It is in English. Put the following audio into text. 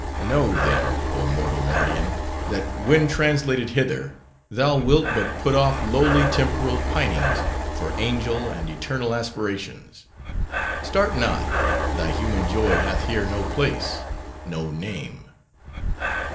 Know, then, oh mortal Mardian! that when translated hither, thou wilt but put off lowly temporal pinings, for angel and eternal aspirations. Start not: thy human joy hath here no place: no name.